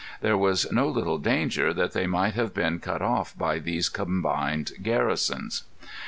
There was no little danger that they might have been cut off by these combined garrisons.